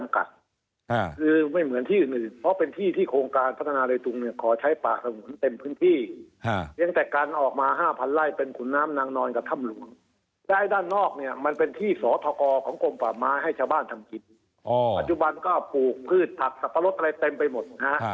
คืออย่างนี้ครับที่ตรงนี้มันเป็นที่จำกัด